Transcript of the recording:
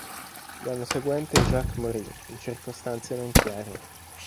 L'anno seguente Jacques morì, in circostanze non chiare.